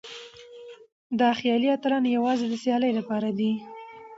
دا خيالي اتلان يوازې د سيالۍ لپاره دي.